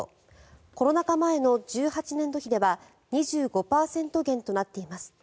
コロナ禍前の１８年度比では２５％減となっています。